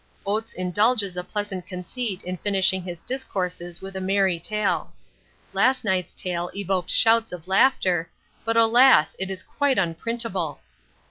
Oates indulges a pleasant conceit in finishing his discourses with a merry tale. Last night's tale evoked shouts of laughter, but, alas! it is quite unprintable!